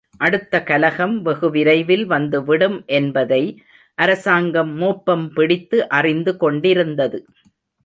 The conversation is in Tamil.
அடுத்த கலகம் வெகுவிரைவில் வந்துவிடும் என்பதை அரசாங்கம் மோப்பம்பிடித்து அறிந்து கொண்டிருந்தது.